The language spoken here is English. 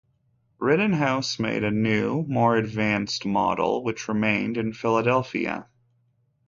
Rittenhouse made a new, more advanced model which remained in Philadelphia.